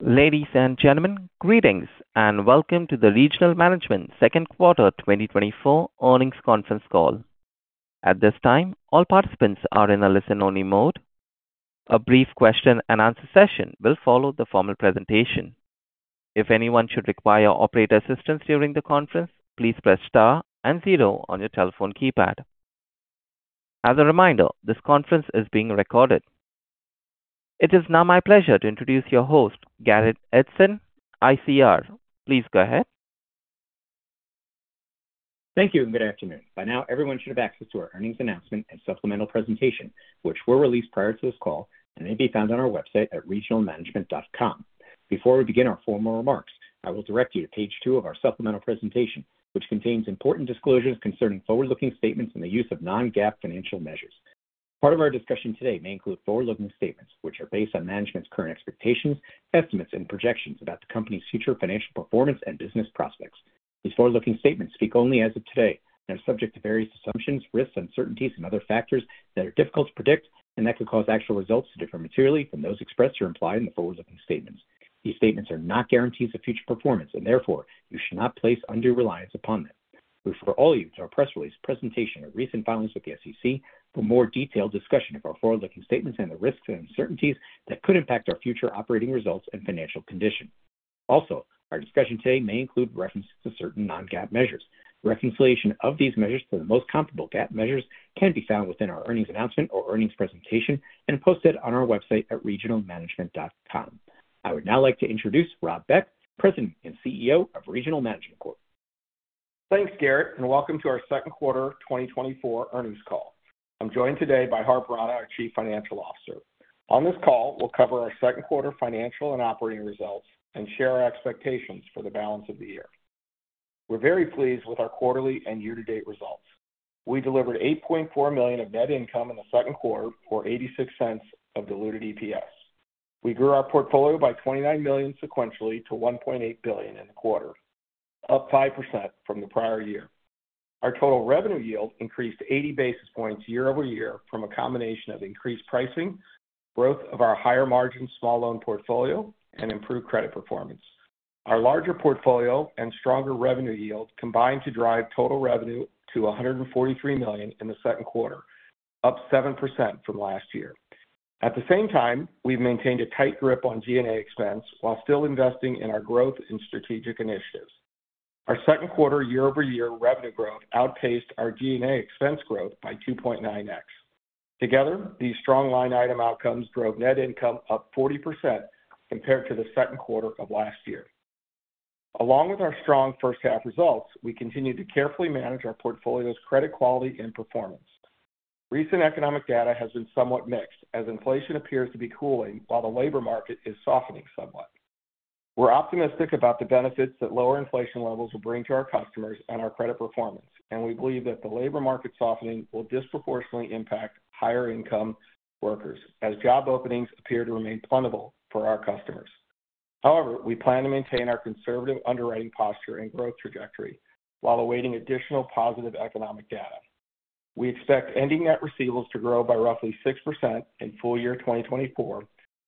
Ladies and gentlemen, greetings and welcome to the Regional Management 2nd Quarter 2024 Earnings Conference call. At this time, all participants are in a listen-only mode. A brief question-and-answer session will follow the formal presentation. If anyone should require operator assistance during the conference, please press star and zero on your telephone keypad. As a reminder, this conference is being recorded. It is now my pleasure to introduce your host, Garrett Edson, ICR. Please go ahead. Thank you and good afternoon. By now, everyone should have access to our earnings announcement and supplemental presentation, which were released prior to this call and may be found on our website at regionalmanagement.com. Before we begin our formal remarks, I will direct you to page two of our supplemental presentation, which contains important disclosures concerning forward-looking statements and the use of non-GAAP financial measures. Part of our discussion today may include forward-looking statements, which are based on management's current expectations, estimates, and projections about the company's future financial performance and business prospects. These forward-looking statements speak only as of today and are subject to various assumptions, risks, uncertainties, and other factors that are difficult to predict and that could cause actual results to differ materially from those expressed or implied in the forward-looking statements. These statements are not guarantees of future performance and therefore you should not place undue reliance upon them. We refer all of you to our press release, presentation, and recent filings with the SEC for more detailed discussion of our forward-looking statements and the risks and uncertainties that could impact our future operating results and financial condition. Also, our discussion today may include references to certain non-GAAP measures. Reconciliation of these measures to the most comparable GAAP measures can be found within our earnings announcement or earnings presentation and posted on our website at regionalmanagement.com. I would now like to introduce Rob Beck, President and CEO of Regional Management Corp. Thanks, Garrett, and welcome to our second quarter 2024 earnings call. I'm joined today by Harpreet Rana, our Chief Financial Officer. On this call, we'll cover our second quarter financial and operating results and share our expectations for the balance of the year. We're very pleased with our quarterly and year-to-date results. We delivered $8.4 million of net income in the second quarter or $0.86 of diluted EPS. We grew our portfolio by $29 million sequentially to $1.8 billion in the quarter, up 5% from the prior year. Our total revenue yield increased 80 basis points year over year from a combination of increased pricing, growth of our higher-margin small loan portfolio, and improved credit performance. Our larger portfolio and stronger revenue yield combined to drive total revenue to $143 million in the second quarter, up 7% from last year. At the same time, we've maintained a tight grip on G&A expense while still investing in our growth and strategic initiatives. Our second quarter year-over-year revenue growth outpaced our G&A expense growth by 2.9x. Together, these strong line item outcomes drove net income up 40% compared to the second quarter of last year. Along with our strong first-half results, we continue to carefully manage our portfolio's credit quality and performance. Recent economic data has been somewhat mixed as inflation appears to be cooling while the labor market is softening somewhat. We're optimistic about the benefits that lower inflation levels will bring to our customers and our credit performance, and we believe that the labor market softening will disproportionately impact higher-income workers as job openings appear to remain plentiful for our customers. However, we plan to maintain our conservative underwriting posture and growth trajectory while awaiting additional positive economic data. We expect ending net receivables to grow by roughly 6% in full year 2024,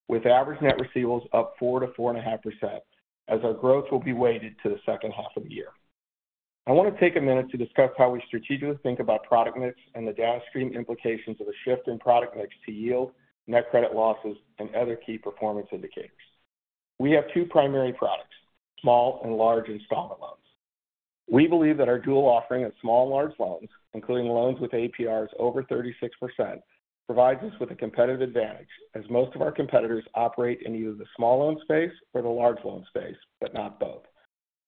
with average net receivables up 4%-4.5% as our growth will be weighted to the second half of the year. I want to take a minute to discuss how we strategically think about product mix and the downstream implications of a shift in product mix to yield, net credit losses, and other key performance indicators. We have two primary products: small and large installment loans. We believe that our dual offering of small and large loans, including loans with APRs over 36%, provides us with a competitive advantage as most of our competitors operate in either the small loan space or the large loan space, but not both.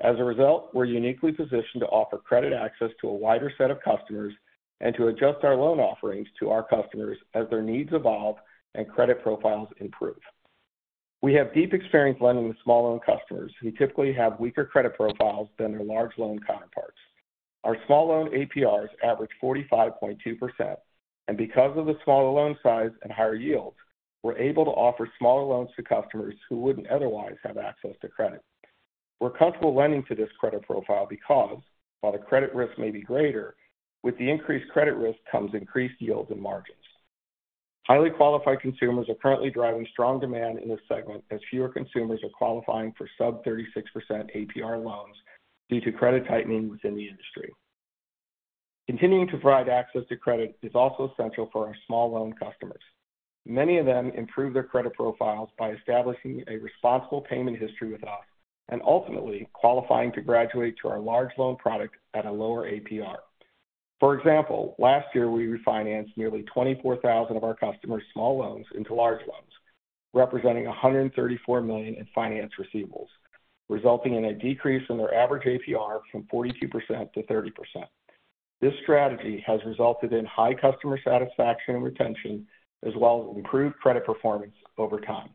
As a result, we're uniquely positioned to offer credit access to a wider set of customers and to adjust our loan offerings to our customers as their needs evolve and credit profiles improve. We have deep experience lending to small loan customers who typically have weaker credit profiles than their large loan counterparts. Our small loan APRs average 45.2%, and because of the smaller loan size and higher yields, we're able to offer smaller loans to customers who wouldn't otherwise have access to credit. We're comfortable lending to this credit profile because, while the credit risk may be greater, with the increased credit risk comes increased yields and margins. Highly qualified consumers are currently driving strong demand in this segment as fewer consumers are qualifying for sub-36% APR loans due to credit tightening within the industry. Continuing to provide access to credit is also essential for our small loan customers. Many of them improve their credit profiles by establishing a responsible payment history with us and ultimately qualifying to graduate to our large loan product at a lower APR. For example, last year, we refinanced nearly 24,000 of our customers' small loans into large loans, representing $134 million in finance receivables, resulting in a decrease in their average APR from 42% to 30%. This strategy has resulted in high customer satisfaction and retention, as well as improved credit performance over time.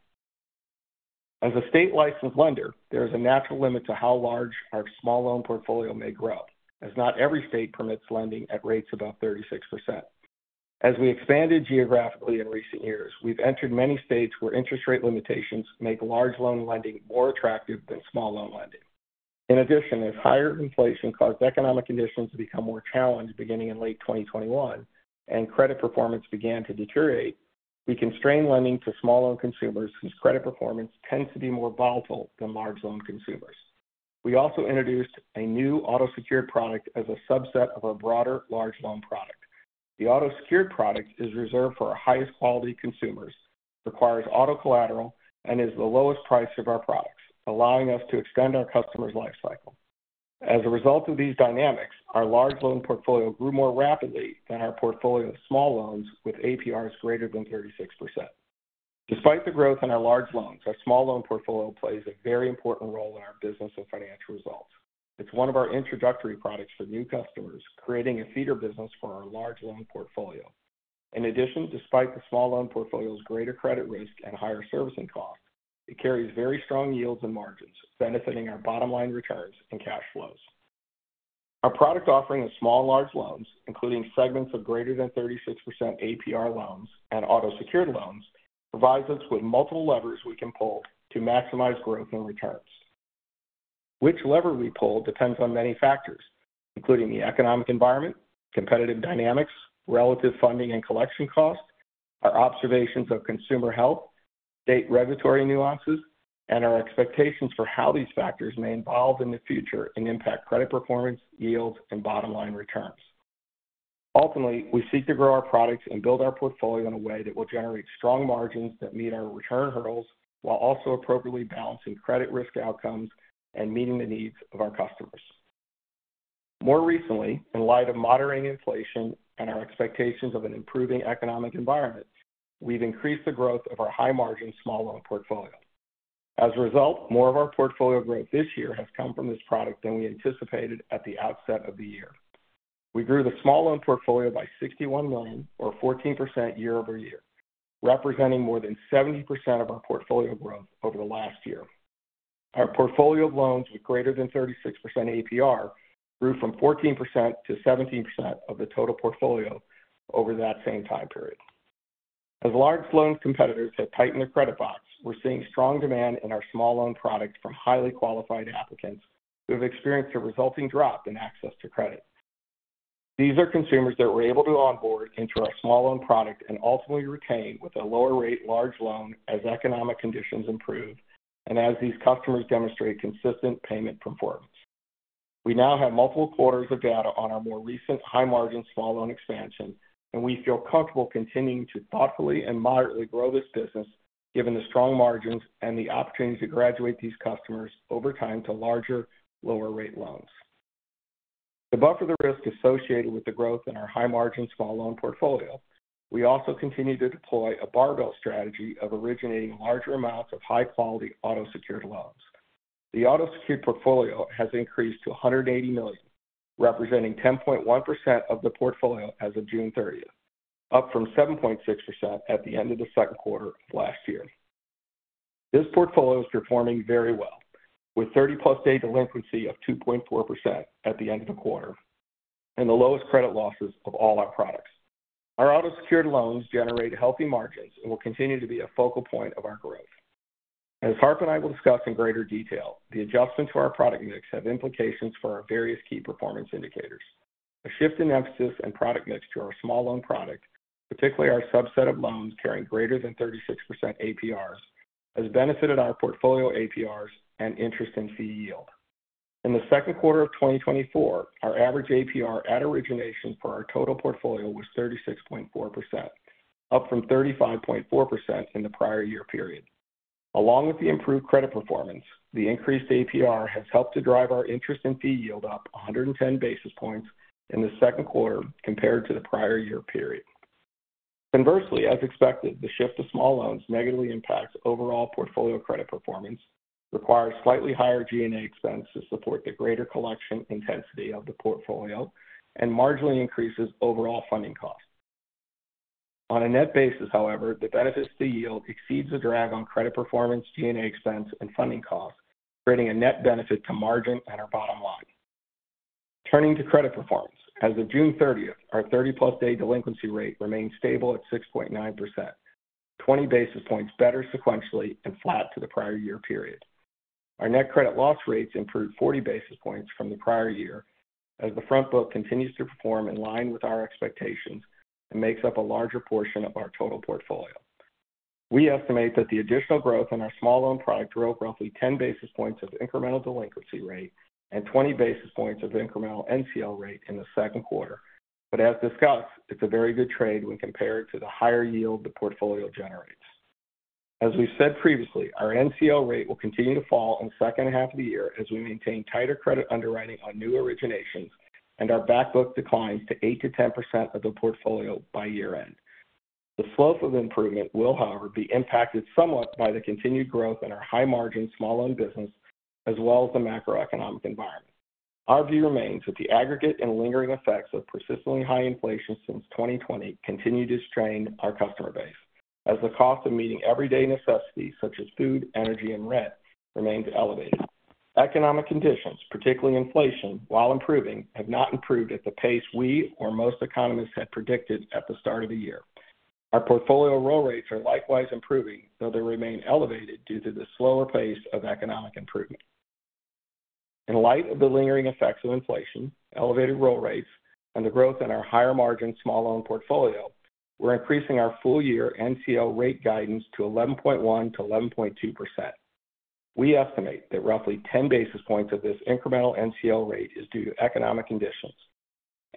As a state-licensed lender, there is a natural limit to how large our small loan portfolio may grow, as not every state permits lending at rates above 36%. As we expanded geographically in recent years, we've entered many states where interest rate limitations make large loan lending more attractive than small loan lending. In addition, as higher inflation caused economic conditions to become more challenged beginning in late 2021 and credit performance began to deteriorate, we constrained lending to small loan consumers since credit performance tends to be more volatile than large loan consumers. We also introduced a new auto-secured product as a subset of our broader large loan product. The auto-secured product is reserved for our highest-quality consumers, requires auto collateral, and is the lowest price of our products, allowing us to extend our customer's lifecycle. As a result of these dynamics, our large loan portfolio grew more rapidly than our portfolio of small loans with APRs greater than 36%. Despite the growth in our large loans, our small loan portfolio plays a very important role in our business and financial results. It's one of our introductory products for new customers, creating a feeder business for our large loan portfolio. In addition, despite the small loan portfolio's greater credit risk and higher servicing costs, it carries very strong yields and margins, benefiting our bottom-line returns and cash flows. Our product offering of small and large loans, including segments of greater than 36% APR loans and auto-secured loans, provides us with multiple levers we can pull to maximize growth and returns. Which lever we pull depends on many factors, including the economic environment, competitive dynamics, relative funding and collection costs, our observations of consumer health, state regulatory nuances, and our expectations for how these factors may evolve in the future and impact credit performance, yields, and bottom-line returns. Ultimately, we seek to grow our products and build our portfolio in a way that will generate strong margins that meet our return hurdles while also appropriately balancing credit risk outcomes and meeting the needs of our customers. More recently, in light of moderating inflation and our expectations of an improving economic environment, we've increased the growth of our high-margin small loan portfolio. As a result, more of our portfolio growth this year has come from this product than we anticipated at the outset of the year. We grew the small loan portfolio by $61 million, or 14% year-over-year, representing more than 70% of our portfolio growth over the last year. Our portfolio of loans with greater than 36% APR grew from 14%-17% of the total portfolio over that same time period. As large loan competitors have tightened their credit box, we're seeing strong demand in our small loan product from highly qualified applicants who have experienced a resulting drop in access to credit. These are consumers that were able to onboard into our small loan product and ultimately retain with a lower-rate large loan as economic conditions improve and as these customers demonstrate consistent payment performance. We now have multiple quarters of data on our more recent high-margin small loan expansion, and we feel comfortable continuing to thoughtfully and moderately grow this business given the strong margins and the opportunity to graduate these customers over time to larger, lower-rate loans. To buffer the risk associated with the growth in our high-margin small loan portfolio, we also continue to deploy a barbell strategy of originating larger amounts of high-quality auto-secured loans. The auto-secured portfolio has increased to $180 million, representing 10.1% of the portfolio as of June 30th, up from 7.6% at the end of the second quarter of last year. This portfolio is performing very well, with 30-plus-day delinquency of 2.4% at the end of the quarter and the lowest credit losses of all our products. Our auto-secured loans generate healthy margins and will continue to be a focal point of our growth. As Harp and I will discuss in greater detail, the adjustments to our product mix have implications for our various key performance indicators. A shift in emphasis and product mix to our small loan product, particularly our subset of loans carrying greater than 36% APRs, has benefited our portfolio APRs and interest and fee yield. In the second quarter of 2024, our average APR at origination for our total portfolio was 36.4%, up from 35.4% in the prior year period. Along with the improved credit performance, the increased APR has helped to drive our interest and fee yield up 110 basis points in the second quarter compared to the prior year period. Conversely, as expected, the shift to small loans negatively impacts overall portfolio credit performance, requires slightly higher G&A expense to support the greater collection intensity of the portfolio, and marginally increases overall funding costs. On a net basis, however, the benefits to yield exceed the drag on credit performance, G&A expense, and funding costs, creating a net benefit to margin and our bottom line. Turning to credit performance, as of June 30th, our 30-plus-day delinquency rate remained stable at 6.9%, 20 basis points better sequentially and flat to the prior year period. Our net credit loss rates improved 40 basis points from the prior year as the front book continues to perform in line with our expectations and makes up a larger portion of our total portfolio. We estimate that the additional growth in our small loan product drove roughly 10 basis points of incremental delinquency rate and 20 basis points of incremental NCL rate in the second quarter, but as discussed, it's a very good trade when compared to the higher yield the portfolio generates. As we've said previously, our NCL rate will continue to fall in the second half of the year as we maintain tighter credit underwriting on new originations and our backbook declines to 8%-10% of the portfolio by year-end. The slope of improvement will, however, be impacted somewhat by the continued growth in our high-margin small loan business as well as the macroeconomic environment. Our view remains that the aggregate and lingering effects of persistently high inflation since 2020 continue to strain our customer base as the cost of meeting everyday necessities such as food, energy, and rent remains elevated. Economic conditions, particularly inflation, while improving, have not improved at the pace we or most economists had predicted at the start of the year. Our portfolio roll rates are likewise improving, though they remain elevated due to the slower pace of economic improvement. In light of the lingering effects of inflation, elevated roll rates, and the growth in our higher-margin small loan portfolio, we're increasing our full-year NCL rate guidance to 11.1%-11.2%. We estimate that roughly 10 basis points of this incremental NCL rate is due to economic conditions,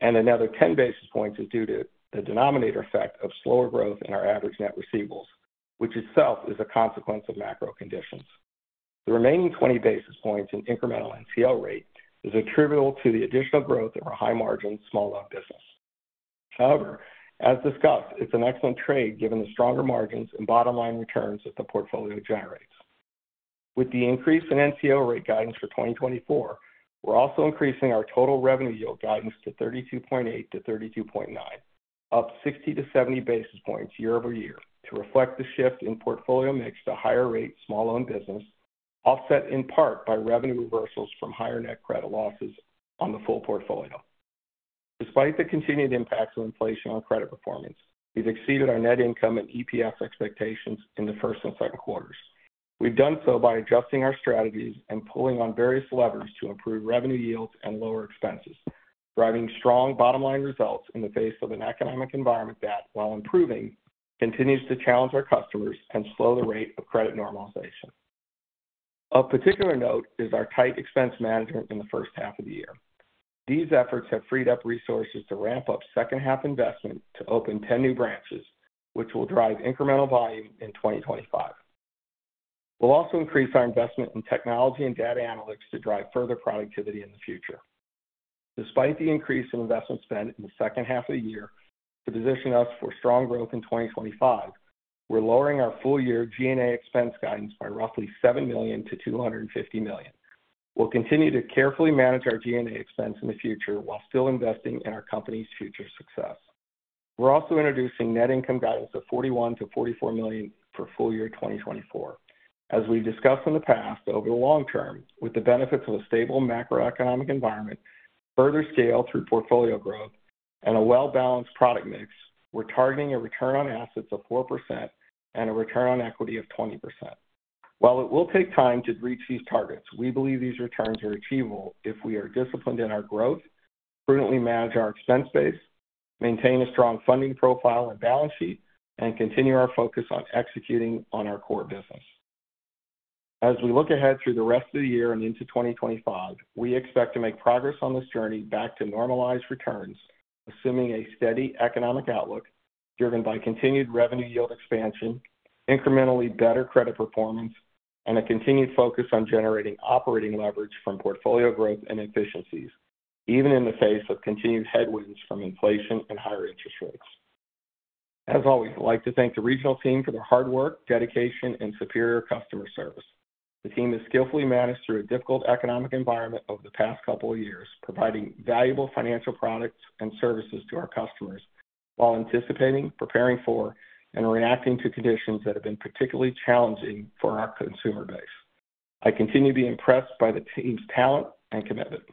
and another 10 basis points is due to the denominator effect of slower growth in our average net receivables, which itself is a consequence of macro conditions. The remaining 20 basis points in incremental NCL rate is attributable to the additional growth of our high-margin small loan business. However, as discussed, it's an excellent trade given the stronger margins and bottom-line returns that the portfolio generates. With the increase in NCL rate guidance for 2024, we're also increasing our total revenue yield guidance to 32.8%-32.9%, up 60-70 basis points year-over-year to reflect the shift in portfolio mix to higher-rate small loan business, offset in part by revenue reversals from higher net credit losses on the full portfolio. Despite the continued impacts of inflation on credit performance, we've exceeded our net income and EPS expectations in the first and second quarters. We've done so by adjusting our strategies and pulling on various levers to improve revenue yields and lower expenses, driving strong bottom-line results in the face of an economic environment that, while improving, continues to challenge our customers and slow the rate of credit normalization. Of particular note is our tight expense management in the first half of the year. These efforts have freed up resources to ramp up second-half investment to open 10 new branches, which will drive incremental volume in 2025. We'll also increase our investment in technology and data analytics to drive further productivity in the future. Despite the increase in investment spend in the second half of the year to position us for strong growth in 2025, we're lowering our full-year G&A expense guidance by roughly $7 million-$250 million. We'll continue to carefully manage our G&A expense in the future while still investing in our company's future success. We're also introducing net income guidance of $41 million-$44 million for full-year 2024. As we've discussed in the past, over the long term, with the benefits of a stable macroeconomic environment, further scale through portfolio growth, and a well-balanced product mix, we're targeting a return on assets of 4% and a return on equity of 20%. While it will take time to reach these targets, we believe these returns are achievable if we are disciplined in our growth, prudently manage our expense base, maintain a strong funding profile and balance sheet, and continue our focus on executing on our core business. As we look ahead through the rest of the year and into 2025, we expect to make progress on this journey back to normalized returns, assuming a steady economic outlook driven by continued revenue yield expansion, incrementally better credit performance, and a continued focus on generating operating leverage from portfolio growth and efficiencies, even in the face of continued headwinds from inflation and higher interest rates. As always, I'd like to thank the Regional team for their hard work, dedication, and superior customer service. The team has skillfully managed through a difficult economic environment over the past couple of years, providing valuable financial products and services to our customers while anticipating, preparing for, and reacting to conditions that have been particularly challenging for our consumer base. I continue to be impressed by the team's talent and commitment.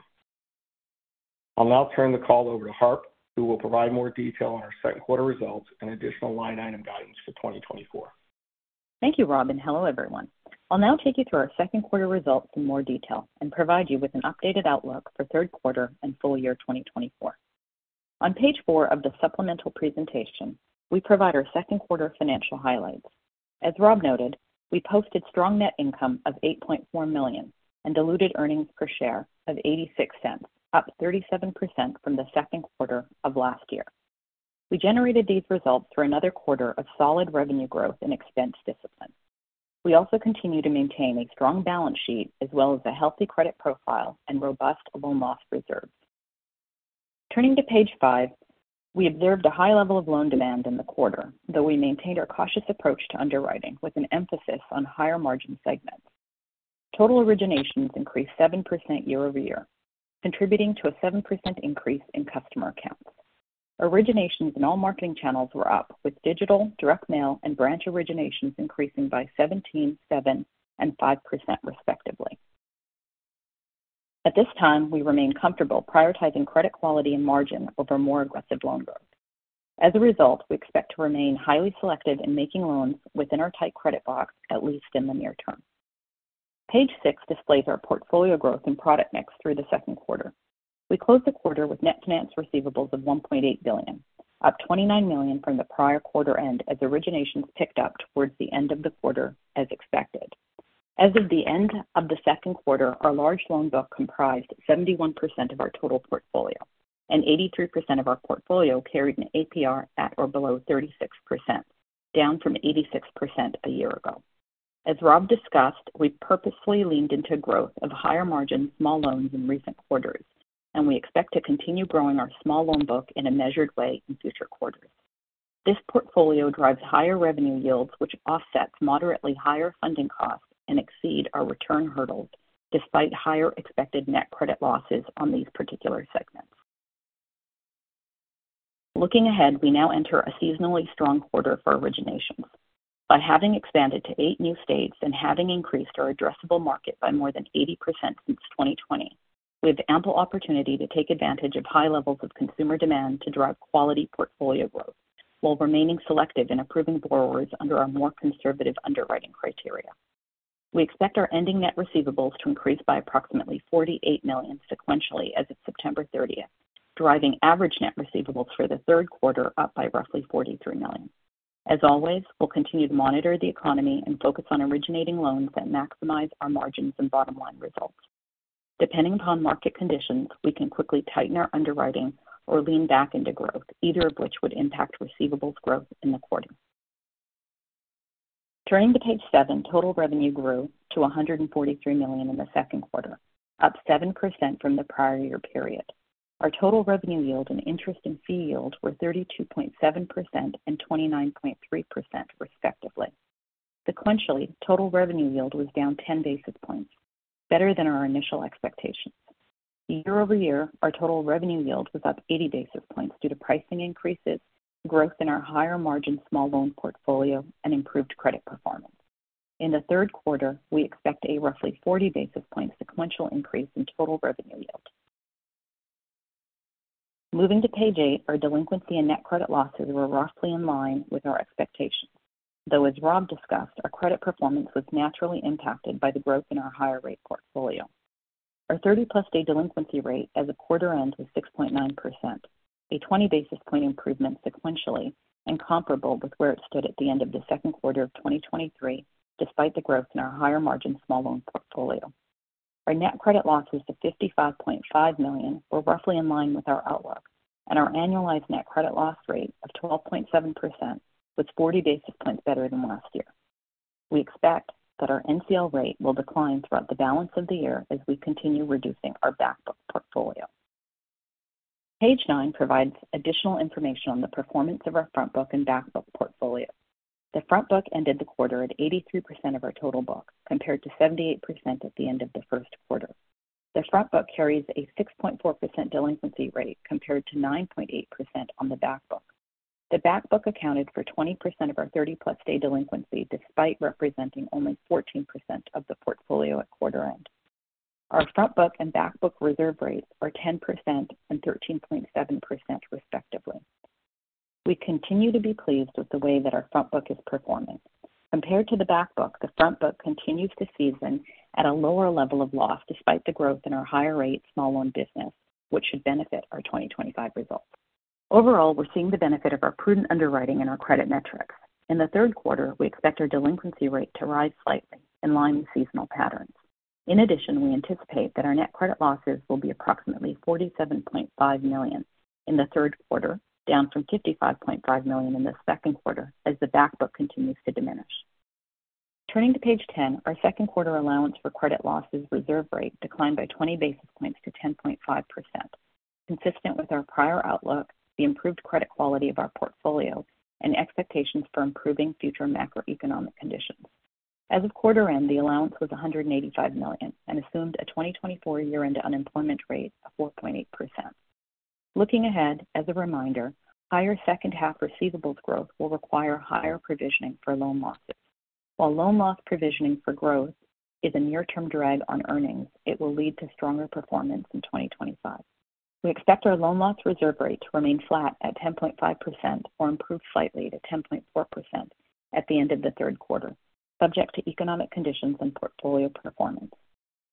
I'll now turn the call over to Harp, who will provide more detail on our second quarter results and additional line item guidance for 2024. Thank you, Rob. Hello, everyone. I'll now take you through our second quarter results in more detail and provide you with an updated outlook for third quarter and full year 2024. On page four of the supplemental presentation, we provide our second quarter financial highlights. As Rob noted, we posted strong net income of $8.4 million and diluted earnings per share of $0.86, up 37% from the second quarter of last year. We generated these results for another quarter of solid revenue growth and expense discipline. We also continue to maintain a strong balance sheet as well as a healthy credit profile and robust loan loss reserves. Turning to page 5, we observed a high level of loan demand in the quarter, though we maintained our cautious approach to underwriting with an emphasis on higher margin segments. Total originations increased 7% year-over-year, contributing to a 7% increase in customer accounts. Originations in all marketing channels were up, with digital, direct mail, and branch originations increasing by 17%, 7%, and 5% respectively. At this time, we remain comfortable prioritizing credit quality and margin over more aggressive loan growth. As a result, we expect to remain highly selective in making loans within our tight credit box, at least in the near term. Page 6 displays our portfolio growth and product mix through the second quarter. We closed the quarter with net finance receivables of $1.8 billion, up $29 million from the prior quarter end as originations picked up towards the end of the quarter as expected. As of the end of the second quarter, our large loan book comprised 71% of our total portfolio, and 83% of our portfolio carried an APR at or below 36%, down from 86% a year ago. As Rob discussed, we purposefully leaned into growth of higher margin small loans in recent quarters, and we expect to continue growing our small loan book in a measured way in future quarters. This portfolio drives higher revenue yields, which offsets moderately higher funding costs and exceeds our return hurdles despite higher expected net credit losses on these particular segments. Looking ahead, we now enter a seasonally strong quarter for originations. By having expanded to eight new states and having increased our addressable market by more than 80% since 2020, we have ample opportunity to take advantage of high levels of consumer demand to drive quality portfolio growth while remaining selective in approving borrowers under our more conservative underwriting criteria. We expect our ending net receivables to increase by approximately $48 million sequentially as of September 30th, driving average net receivables for the third quarter up by roughly $43 million. As always, we'll continue to monitor the economy and focus on originating loans that maximize our margins and bottom-line results. Depending upon market conditions, we can quickly tighten our underwriting or lean back into growth, either of which would impact receivables growth in the quarter. Turning to page seven, total revenue grew to $143 million in the second quarter, up 7% from the prior year period. Our total revenue yield and interest and fee yield were 32.7% and 29.3% respectively. Sequentially, total revenue yield was down 10 basis points, better than our initial expectations. Year-over-year, our total revenue yield was up 80 basis points due to pricing increases, growth in our higher-margin small loan portfolio, and improved credit performance. In the third quarter, we expect a roughly 40 basis points sequential increase in total revenue yield. Moving to page 8, our delinquency and net credit losses were roughly in line with our expectations, though, as Rob discussed, our credit performance was naturally impacted by the growth in our higher-rate portfolio. Our 30-plus-day delinquency rate as a quarter end was 6.9%, a 20 basis point improvement sequentially and comparable with where it stood at the end of the second quarter of 2023, despite the growth in our higher-margin small loan portfolio. Our net credit loss was $55.5 million, or roughly in line with our outlook, and our annualized net credit loss rate of 12.7% was 40 basis points better than last year. We expect that our NCL rate will decline throughout the balance of the year as we continue reducing our backbook portfolio. Page 9 provides additional information on the performance of our frontbook and backbook portfolio. The frontbook ended the quarter at 83% of our total book compared to 78% at the end of the first quarter. The frontbook carries a 6.4% delinquency rate compared to 9.8% on the backbook. The backbook accounted for 20% of our 30-plus-day delinquency despite representing only 14% of the portfolio at quarter end. Our frontbook and backbook reserve rates are 10% and 13.7% respectively. We continue to be pleased with the way that our frontbook is performing. Compared to the backbook, the frontbook continues to season at a lower level of loss despite the growth in our higher-rate small loan business, which should benefit our 2025 results. Overall, we're seeing the benefit of our prudent underwriting and our credit metrics. In the third quarter, we expect our delinquency rate to rise slightly in line with seasonal patterns. In addition, we anticipate that our net credit losses will be approximately $47.5 million in the third quarter, down from $55.5 million in the second quarter as the backbook continues to diminish. Turning to page 10, our second quarter allowance for credit losses reserve rate declined by 20 basis points to 10.5%, consistent with our prior outlook, the improved credit quality of our portfolio, and expectations for improving future macroeconomic conditions. As of quarter end, the allowance was $185 million and assumed a 2024 year-end unemployment rate of 4.8%. Looking ahead, as a reminder, higher second-half receivables growth will require higher provisioning for loan losses. While loan loss provisioning for growth is a near-term drag on earnings, it will lead to stronger performance in 2025. We expect our loan loss reserve rate to remain flat at 10.5% or improve slightly to 10.4% at the end of the third quarter, subject to economic conditions and portfolio performance.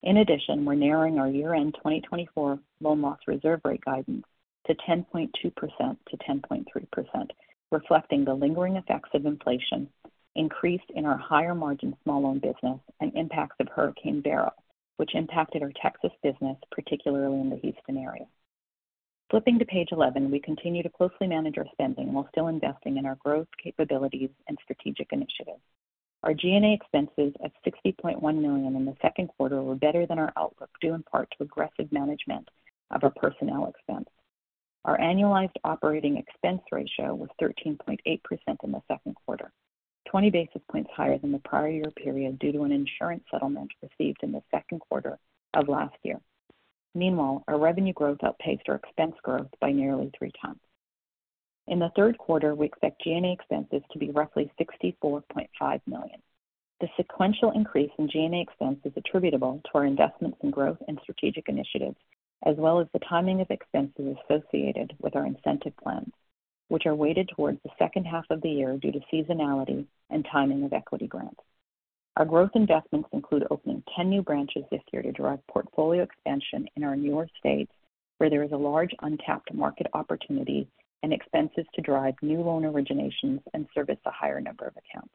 In addition, we're narrowing our year-end 2024 loan loss reserve rate guidance to 10.2%-10.3%, reflecting the lingering effects of inflation increased in our higher-margin small loan business and impacts of Hurricane Beryl, which impacted our Texas business, particularly in the Houston area. Flipping to page 11, we continue to closely manage our spending while still investing in our growth capabilities and strategic initiatives. Our G&A expenses of $60.1 million in the second quarter were better than our outlook due in part to aggressive management of our personnel expense. Our annualized operating expense ratio was 13.8% in the second quarter, 20 basis points higher than the prior year period due to an insurance settlement received in the second quarter of last year. Meanwhile, our revenue growth outpaced our expense growth by nearly three times. In the third quarter, we expect G&A expenses to be roughly $64.5 million. The sequential increase in G&A expense is attributable to our investments in growth and strategic initiatives, as well as the timing of expenses associated with our incentive plans, which are weighted towards the second half of the year due to seasonality and timing of equity grants. Our growth investments include opening 10 new branches this year to drive portfolio expansion in our newer states, where there is a large untapped market opportunity and expenses to drive new loan originations and service a higher number of accounts.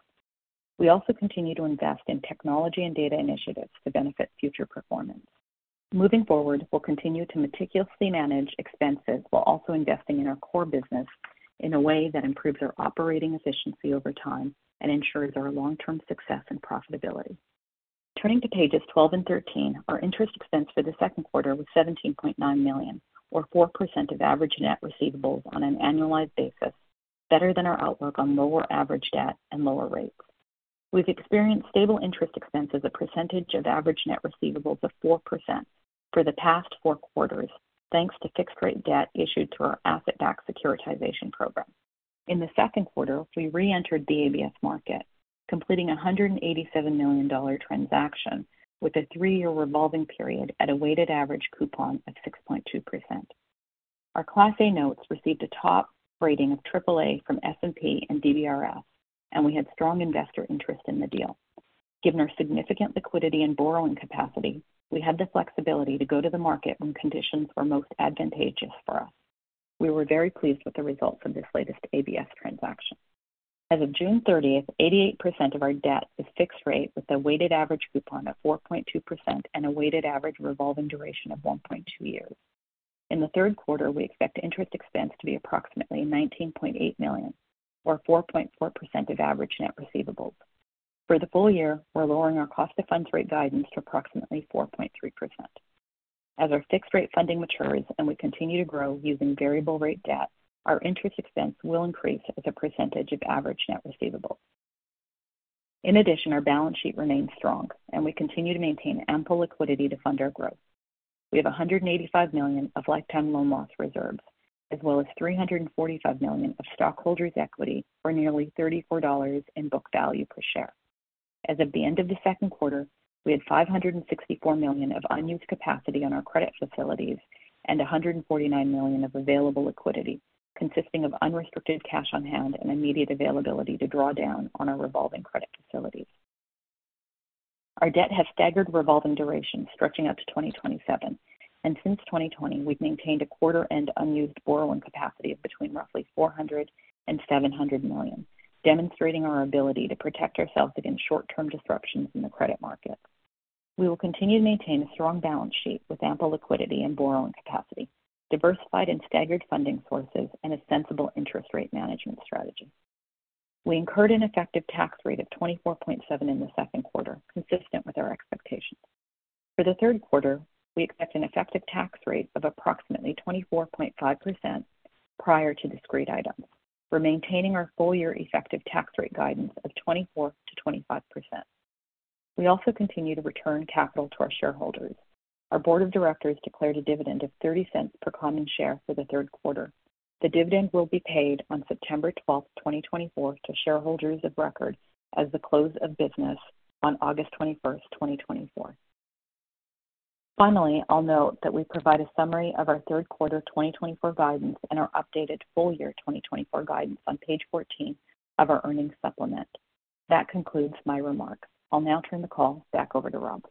We also continue to invest in technology and data initiatives to benefit future performance. Moving forward, we'll continue to meticulously manage expenses while also investing in our core business in a way that improves our operating efficiency over time and ensures our long-term success and profitability. Turning to pages 12 and 13, our interest expense for the second quarter was $17.9 million, or 4% of average net receivables on an annualized basis, better than our outlook on lower average debt and lower rates. We've experienced stable interest expenses at a percentage of average net receivables of 4% for the past four quarters, thanks to fixed-rate debt issued through our asset-backed securitization program. In the second quarter, we re-entered the ABS market, completing a $187 million transaction with a three-year revolving period at a weighted average coupon of 6.2%. Our Class A notes received a top rating of AAA from S&P and DBRS, and we had strong investor interest in the deal. Given our significant liquidity and borrowing capacity, we had the flexibility to go to the market when conditions were most advantageous for us. We were very pleased with the results of this latest ABS transaction. As of June 30th, 88% of our debt is fixed rate with a weighted average coupon of 4.2% and a weighted average revolving duration of 1.2 years. In the third quarter, we expect interest expense to be approximately $19.8 million, or 4.4% of average net receivables. For the full year, we're lowering our cost of funds rate guidance to approximately 4.3%. As our fixed-rate funding matures and we continue to grow using variable-rate debt, our interest expense will increase as a percentage of average net receivables. In addition, our balance sheet remains strong, and we continue to maintain ample liquidity to fund our growth. We have $185 million of lifetime loan loss reserves, as well as $345 million of stockholders' equity for nearly $34 in book value per share. As of the end of the second quarter, we had $564 million of unused capacity on our credit facilities and $149 million of available liquidity, consisting of unrestricted cash on hand and immediate availability to draw down on our revolving credit facilities. Our debt has staggered revolving durations stretching out to 2027, and since 2020, we've maintained a quarter-end unused borrowing capacity of between roughly $400 million and $700 million, demonstrating our ability to protect ourselves against short-term disruptions in the credit market. We will continue to maintain a strong balance sheet with ample liquidity and borrowing capacity, diversified and staggered funding sources, and a sensible interest rate management strategy. We incurred an effective tax rate of 24.7% in the second quarter, consistent with our expectations. For the third quarter, we expect an effective tax rate of approximately 24.5% prior to discrete items, maintaining our full-year effective tax rate guidance of 24%-25%. We also continue to return capital to our shareholders. Our board of directors declared a dividend of $0.30 per common share for the third quarter. The dividend will be paid on September 12th, 2024, to shareholders of record as the close of business on August 21st, 2024. Finally, I'll note that we provide a summary of our third quarter 2024 guidance and our updated full-year 2024 guidance on page 14 of our earnings supplement. That concludes my remarks. I'll now turn the call back over to Rob.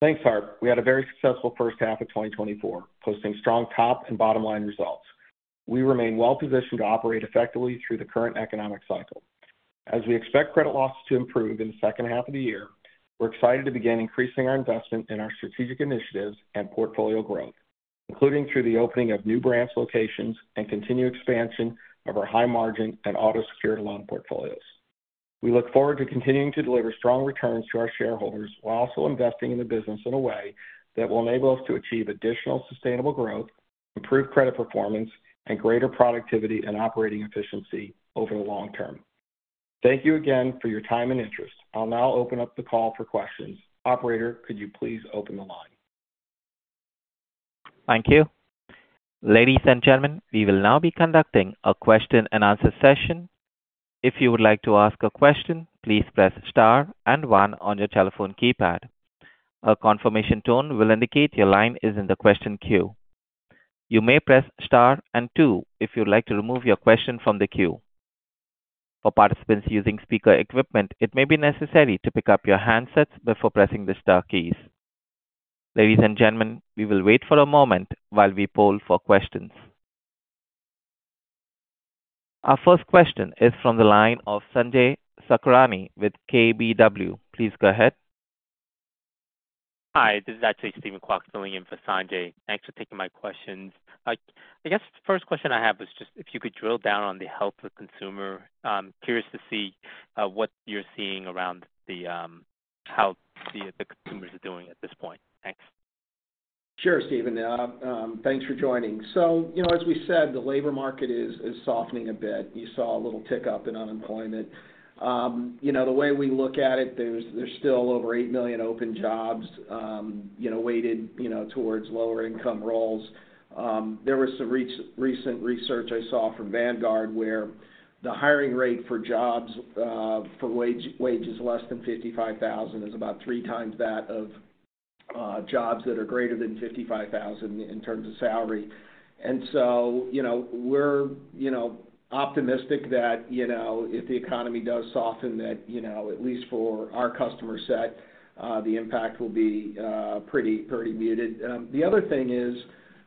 Thanks, Harp. We had a very successful first half of 2024, posting strong top and bottom-line results. We remain well-positioned to operate effectively through the current economic cycle. As we expect credit losses to improve in the second half of the year, we're excited to begin increasing our investment in our strategic initiatives and portfolio growth, including through the opening of new branch locations and continued expansion of our high-margin and auto-secured loan portfolios. We look forward to continuing to deliver strong returns to our shareholders while also investing in the business in a way that will enable us to achieve additional sustainable growth, improve credit performance, and greater productivity and operating efficiency over the long term. Thank you again for your time and interest. I'll now open up the call for questions. Operator, could you please open the line? Thank you. Ladies and gentlemen, we will now be conducting a question-and-answer session. If you would like to ask a question, please press star and 1 on your telephone keypad. A confirmation tone will indicate your line is in the question queue. You may press star and 2 if you'd like to remove your question from the queue. For participants using speaker equipment, it may be necessary to pick up your handsets before pressing the star keys. Ladies and gentlemen, we will wait for a moment while we poll for questions. Our first question is from the line of Sanjay Sakhrani with KBW. Please go ahead. Hi, this is actually Steven Kwok filling in for Sanjay. Thanks for taking my questions. I guess the first question I have is just if you could drill down on the health of consumer. I'm curious to see what you're seeing around how the consumers are doing at this point. Thanks. Sure, Stephen. Thanks for joining. So, you know, as we said, the labor market is softening a bit. You saw a little tick up in unemployment. You know, the way we look at it, there's still over 8 million open jobs weighted towards lower-income roles. There was some recent research I saw from Vanguard where the hiring rate for jobs for wages less than $55,000 is about three times that of jobs that are greater than $55,000 in terms of salary. And so, you know, we're optimistic that, you know, if the economy does soften, that, you know, at least for our customer set, the impact will be pretty muted. The other thing is,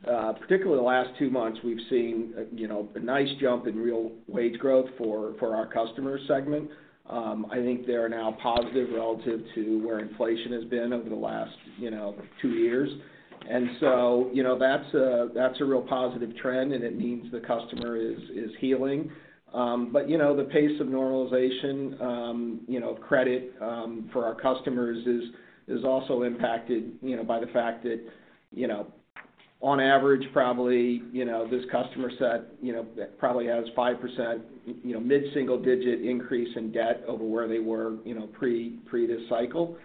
particularly the last 2 months, we've seen, you know, a nice jump in real wage growth for our customer segment. I think they're now positive relative to where inflation has been over the last, you know, 2 years. And so, you know, that's a real positive trend, and it means the customer is healing. But, you know, the pace of normalization, you know, of credit for our customers is also impacted, you know, by the fact that, you know, on average, probably, you know, this customer set, you know, probably has 5%, you know, mid-single-digit increase in debt over where they were, you know, pre this cycle.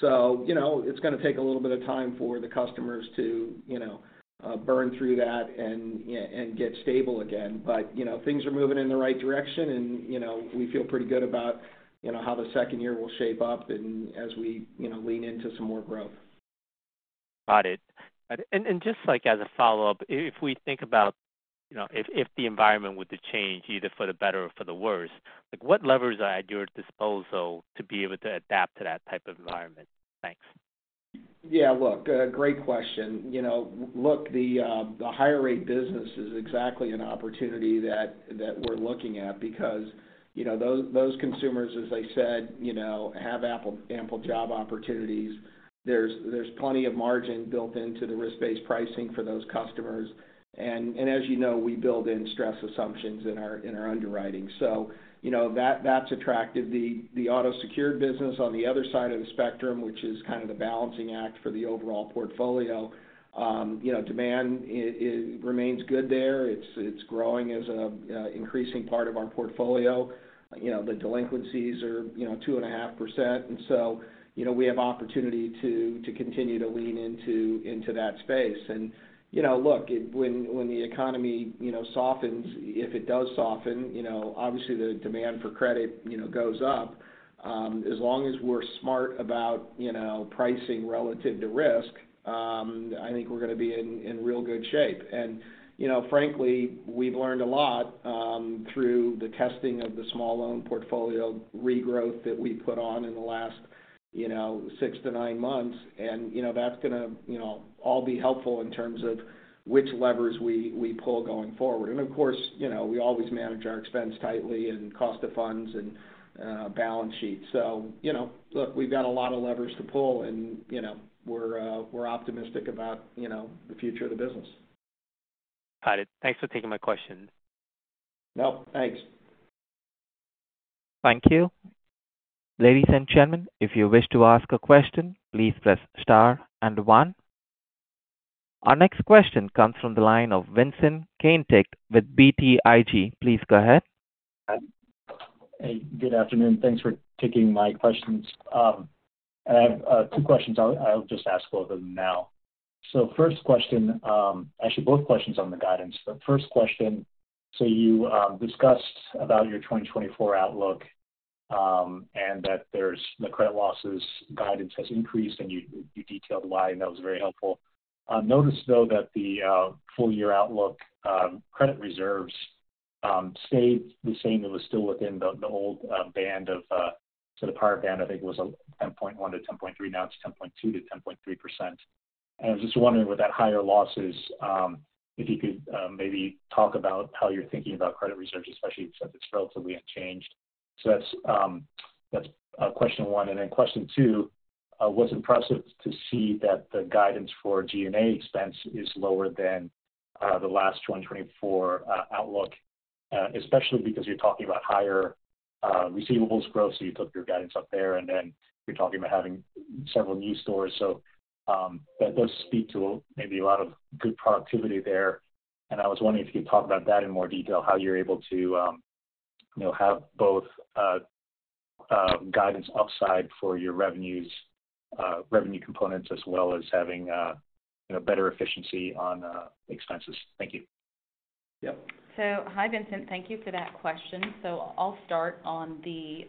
So, you know, it's going to take a little bit of time for the customers to, you know, burn through that and get stable again. But, you know, things are moving in the right direction, and, you know, we feel pretty good about, you know, how the second year will shape up as we, you know, lean into some more growth. Got it. And just like as a follow-up, if we think about, you know, if the environment were to change either for the better or for the worse, like what levers are at your disposal to be able to adapt to that type of environment? Thanks. Yeah, look, great question. You know, look, the higher-rate business is exactly an opportunity that we're looking at because, you know, those consumers, as I said, you know, have ample job opportunities. There's plenty of margin built into the risk-based pricing for those customers. And as you know, we build in stress assumptions in our underwriting. So, you know, that's attractive. The auto-secured business on the other side of the spectrum, which is kind of the balancing act for the overall portfolio, you know, demand remains good there. It's growing as an increasing part of our portfolio. You know, the delinquencies are, you know, 2.5%. And so, you know, we have opportunity to continue to lean into that space. And, you know, look, when the economy, you know, softens, if it does soften, you know, obviously the demand for credit, you know, goes up. As long as we're smart about, you know, pricing relative to risk, I think we're going to be in real good shape. And, you know, frankly, we've learned a lot through the testing of the small loan portfolio regrowth that we put on in the last, you know, 6 to 9 months. You know, that's going to, you know, all be helpful in terms of which levers we pull going forward. Of course, you know, we always manage our expense tightly and cost of funds and balance sheet. You know, look, we've got a lot of levers to pull, and, you know, we're optimistic about, you know, the future of the business. Got it. Thanks for taking my question. No, thanks. Thank you. Ladies and gentlemen, if you wish to ask a question, please press star and 1. Our next question comes from the line of Vincent Caintic with BTIG. Please go ahead. Hey, good afternoon. Thanks for taking my questions. I have two questions. I'll just ask both of them now. So first question, actually both questions on the guidance. The first question, so you discussed about your 2024 outlook and that the credit losses guidance has increased, and you detailed why, and that was very helpful. Notice, though, that the full-year outlook credit reserves stayed the same. It was still within the old band of, so the prior band, I think it was 10.1%-10.3%. Now it's 10.2%-10.3%. And I was just wondering with that higher losses, if you could maybe talk about how you're thinking about credit reserves, especially since it's relatively unchanged. So that's question one. And then question two, it was impressive to see that the guidance for G&A expense is lower than the last 2024 outlook, especially because you're talking about higher receivables growth. So you took your guidance up there, and then you're talking about having several new stores. So that does speak to maybe a lot of good productivity there. I was wondering if you could talk about that in more detail, how you're able to have both guidance upside for your revenues, revenue components, as well as having better efficiency on expenses. Thank you. Yep. So hi, Vincent. Thank you for that question. So I'll start on the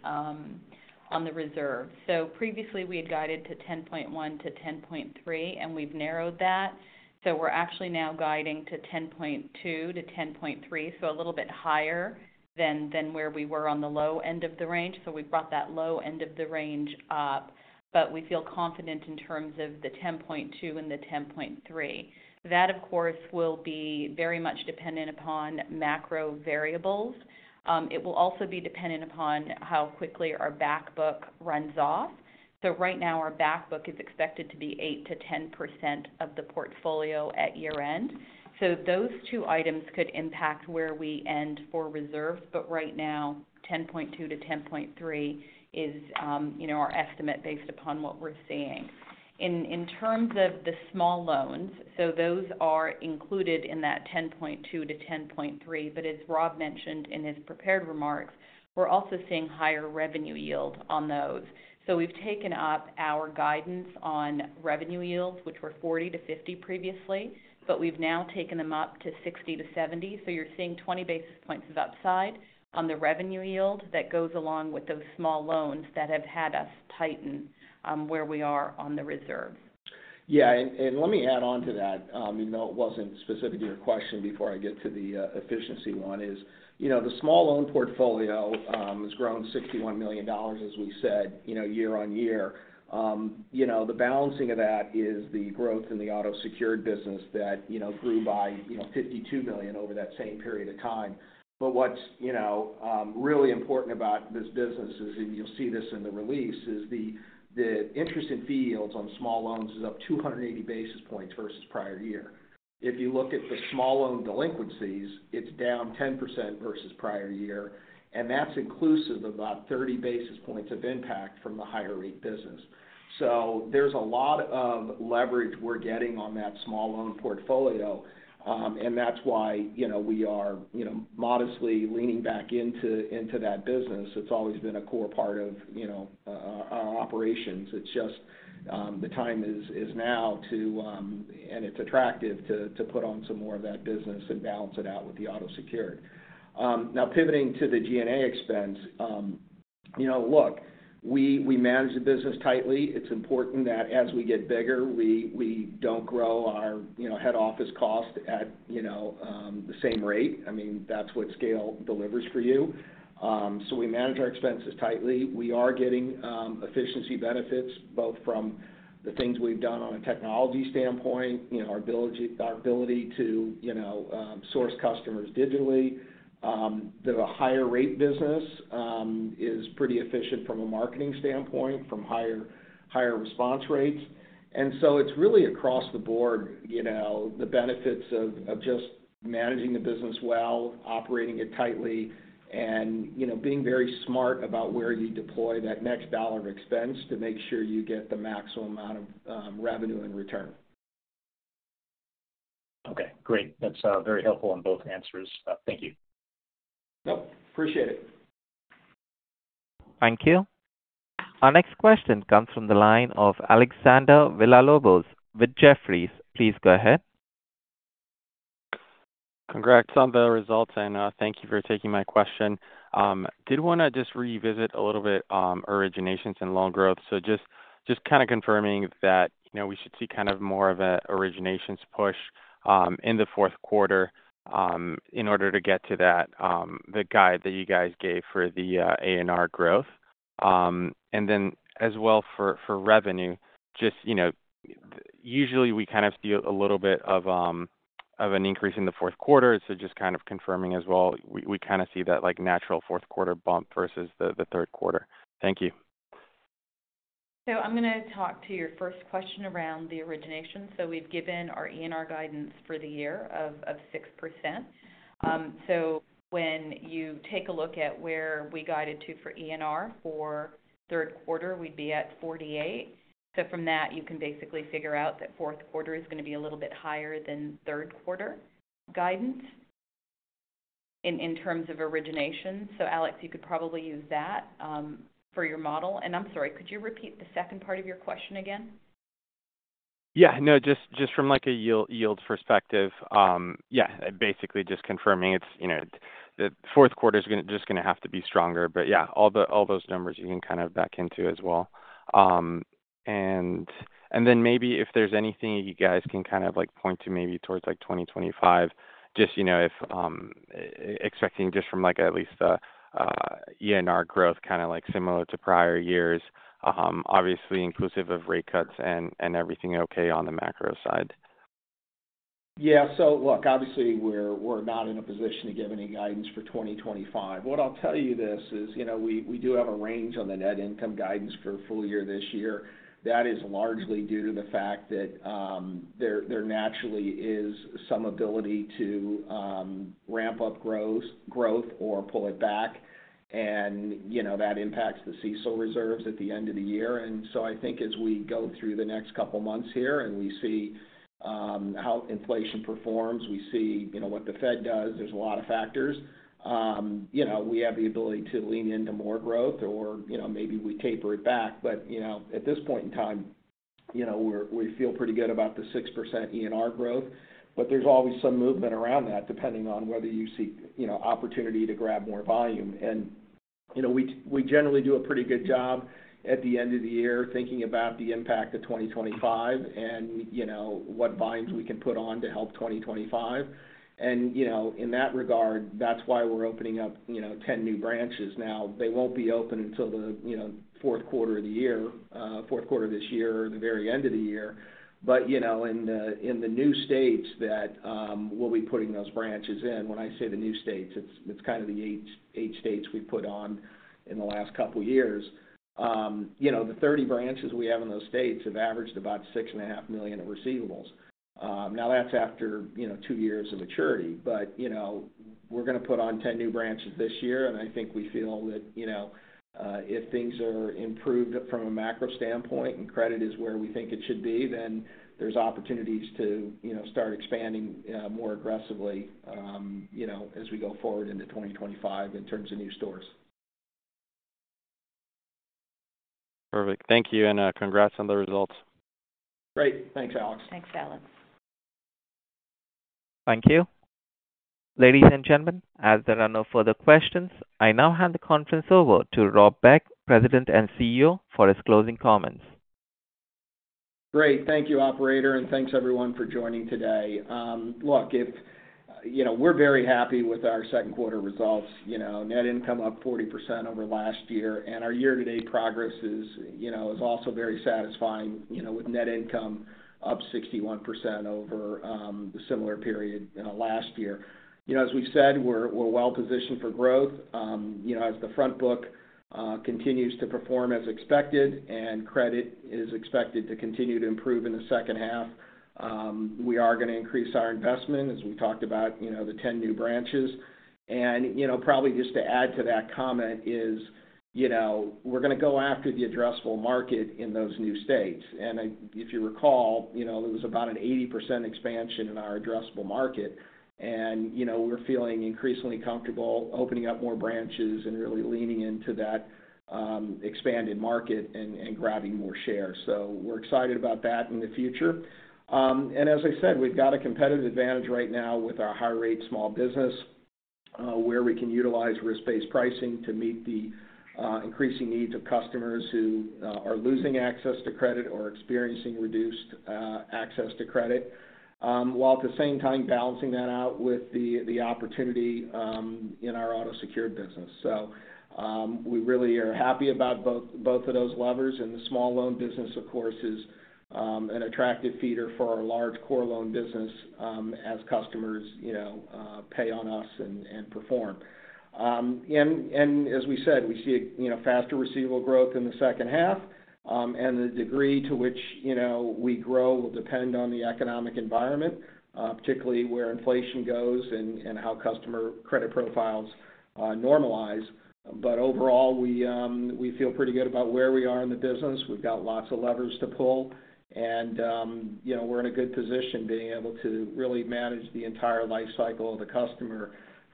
reserves. So previously, we had guided to 10.1-10.3, and we've narrowed that. So we're actually now guiding to 10.2-10.3, so a little bit higher than where we were on the low end of the range. So we've brought that low end of the range up, but we feel confident in terms of the 10.2 and the 10.3. That, of course, will be very much dependent upon macro variables. It will also be dependent upon how quickly our Backbook runs off. So right now, our Backbook is expected to be 8%-10% of the portfolio at year-end. Those two items could impact where we end for reserves, but right now, 10.2-10.3 is, you know, our estimate based upon what we're seeing. In terms of the small loans, those are included in that 10.2-10.3, but as Rob mentioned in his prepared remarks, we're also seeing higher revenue yield on those. We've taken up our guidance on revenue yields, which were 40-50 previously, but we've now taken them up to 60-70. You're seeing 20 basis points of upside on the revenue yield that goes along with those small loans that have had us tighten where we are on the reserves. Yeah, and let me add on to that. I know it wasn't specific to your question before I get to the efficiency one is, you know, the small loan portfolio has grown $61 million, as we said, you know, year-on-year. You know, the balancing of that is the growth in the auto-secured business that, you know, grew by, you know, $52 million over that same period of time. But what's, you know, really important about this business, and you'll see this in the release, is the interest and fee yields on small loans is up 280 basis points versus prior year. If you look at the small loan delinquencies, it's down 10% versus prior year, and that's inclusive of about 30 basis points of impact from the higher-rate business. So there's a lot of leverage we're getting on that small loan portfolio, and that's why, you know, we are, you know, modestly leaning back into that business. It's always been a core part of, you know, our operations. It's just the time is now to, and it's attractive to put on some more of that business and balance it out with the auto-secured. Now, pivoting to the G&A expense, you know, look, we manage the business tightly. It's important that as we get bigger, we don't grow our, you know, head office cost at, you know, the same rate. I mean, that's what scale delivers for you. So we manage our expenses tightly. We are getting efficiency benefits both from the things we've done on a technology standpoint, you know, our ability to, you know, source customers digitally. The higher-rate business is pretty efficient from a marketing standpoint, from higher response rates. And so it's really across the board, you know, the benefits of just managing the business well, operating it tightly, and, you know, being very smart about where you deploy that next dollar of expense to make sure you get the maximum amount of revenue and return. Okay, great. That's very helpful on both answers. Thank you. Yep, appreciate it. Thank you. Our next question comes from the line of Alexander Villalobos with Jefferies. Please go ahead. Congrats on the results, and thank you for taking my question. Did want to just revisit a little bit originations and loan growth. So just kind of confirming that, you know, we should see kind of more of an originations push in the fourth quarter in order to get to that, the guide that you guys gave for the ENR growth. And then as well for revenue, just, you know, usually we kind of see a little bit of an increase in the fourth quarter. So just kind of confirming as well, we kind of see that like natural fourth quarter bump versus the third quarter. Thank you. So I'm going to talk to your first question around the origination. So we've given our ENR guidance for the year of 6%. So when you take a look at where we guided to for ENR for third quarter, we'd be at 48. So from that, you can basically figure out that fourth quarter is going to be a little bit higher than third quarter guidance in terms of origination. So Alex, you could probably use that for your model. And I'm sorry, could you repeat the second part of your question again? Yeah, no, just from like a yield perspective. Yeah, basically just confirming it's, you know, the fourth quarter is just going to have to be stronger. But yeah, all those numbers you can kind of back into as well. And then maybe if there's anything you guys can kind of like point to maybe towards like 2025, just, you know, if expecting just from like at least the E&R growth kind of like similar to prior years, obviously inclusive of rate cuts and everything okay on the macro side. Yeah, so look, obviously we're not in a position to give any guidance for 2025. What I'll tell you this is, you know, we do have a range on the net income guidance for full year this year. That is largely due to the fact that there naturally is some ability to ramp up growth or pull it back. And, you know, that impacts the CECL reserves at the end of the year. And so I think as we go through the next couple of months here and we see how inflation performs, we see, you know, what the Fed does, there's a lot of factors. You know, we have the ability to lean into more growth or, you know, maybe we taper it back. But, you know, at this point in time, you know, we feel pretty good about the 6% E&R growth. But there's always some movement around that depending on whether you see, you know, opportunity to grab more volume. And, you know, we generally do a pretty good job at the end of the year thinking about the impact of 2025 and, you know, what volumes we can put on to help 2025. And, you know, in that regard, that's why we're opening up, you know, 10 new branches now. They won't be open until the, you know, fourth quarter of the year, fourth quarter of this year, or the very end of the year. But, you know, in the new states that we'll be putting those branches in, when I say the new states, it's kind of the 8 states we put on in the last couple of years. You know, the 30 branches we have in those states have averaged about $6.5 million of receivables. Now that's after, you know, two years of maturity. But, you know, we're going to put on 10 new branches this year. And I think we feel that, you know, if things are improved from a macro standpoint and credit is where we think it should be, then there's opportunities to, you know, start expanding more aggressively, you know, as we go forward into 2025 in terms of new stores. Perfect. Thank you and congrats on the results. Great. Thanks, Alex. Thanks, Alex. Thank you. Ladies and gentlemen, as there are no further questions, I now hand the conference over to Rob Beck, President and CEO, for his closing comments. Great. Thank you, Operator, and thanks everyone for joining today. Look, if, you know, we're very happy with our second quarter results, you know, net income up 40% over last year. Our year-to-date progress is, you know, also very satisfying, you know, with net income up 61% over the similar period last year. You know, as we've said, we're well positioned for growth. You know, as the front book continues to perform as expected and credit is expected to continue to improve in the second half, we are going to increase our investment, as we talked about, you know, the 10 new branches. You know, probably just to add to that comment is, you know, we're going to go after the addressable market in those new states. And if you recall, you know, there was about an 80% expansion in our addressable market. And, you know, we're feeling increasingly comfortable opening up more branches and really leaning into that expanded market and grabbing more shares. So we're excited about that in the future. And as I said, we've got a competitive advantage right now with our high-rate small business where we can utilize risk-based pricing to meet the increasing needs of customers who are losing access to credit or experiencing reduced access to credit, while at the same time balancing that out with the opportunity in our auto-secured business. So we really are happy about both of those levers. And the small loan business, of course, is an attractive feeder for our large core loan business as customers, you know, pay on us and perform. And as we said, we see, you know, faster receivable growth in the second half. And the degree to which, you know, we grow will depend on the economic environment, particularly where inflation goes and how customer credit profiles normalize. But overall, we feel pretty good about where we are in the business. We've got lots of levers to pull. You know, we're in a good position being able to really manage the entire life cycle of the customer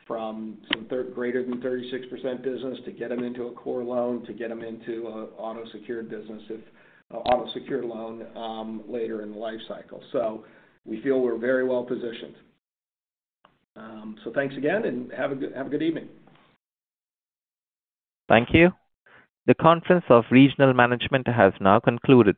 from some greater than 36% business to get them into a core loan to get them into an auto-secured business, auto-secured loan later in the life cycle. We feel we're very well positioned. Thanks again and have a good evening. Thank you. The conference of Regional Management has now concluded.